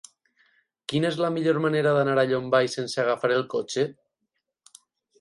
Quina és la millor manera d'anar a Llombai sense agafar el cotxe?